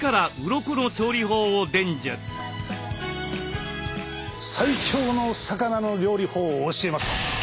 最強の魚の料理法を教えます。